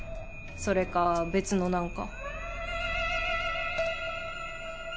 それか別の何か。